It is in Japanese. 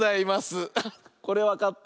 あっこれわかった？